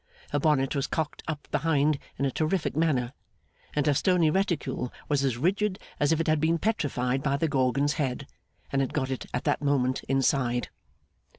Her bonnet was cocked up behind in a terrific manner; and her stony reticule was as rigid as if it had been petrified by the Gorgon's head, and had got it at that moment inside.